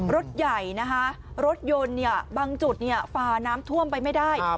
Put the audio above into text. รถใหญ่นะคะรถยนต์เนี่ยบางจุดฝ่าน้ำท่วมไปไม่ได้